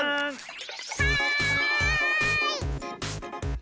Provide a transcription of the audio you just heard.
はい！